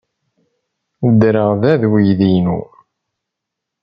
Ddreɣ da ed uydi-inu.